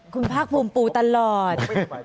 คุณภาคภูมิปูตลอด